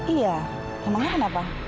iya emangnya kenapa